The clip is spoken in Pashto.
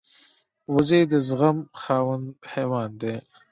وزې د زغم خاوند حیوان دی